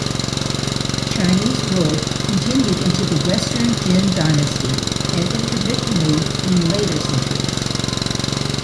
Chinese rule continued into the Western Jin Dynasty and intermittently in later centuries.